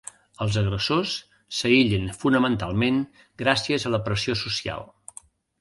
Els agressors s'aïllen fonamentalment gràcies a la pressió social.